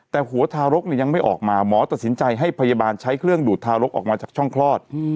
แต่หัวทารกยังไม่ออกมาหมอตัดสินใจให้พยาบาลใช้เครื่องดูดทารกออกมาจากช่องคลอด